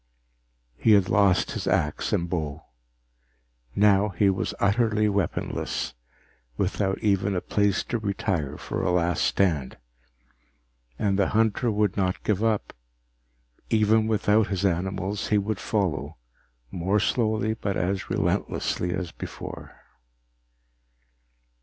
He had lost axe and bow. Now he was utterly weaponless, without even a place to retire for a last stand. And the hunter would not give up. Even without his animals, he would follow, more slowly but as relentlessly as before.